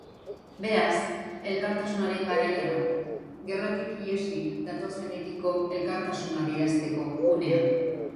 Beraz, elkartasunaren garaia da, gerratik ihesi datozenekiko elkartasuna adierazteko unea.